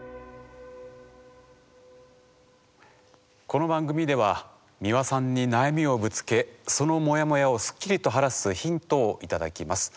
この番組では美輪さんに悩みをぶつけそのモヤモヤをスッキリと晴らすヒントを頂きます。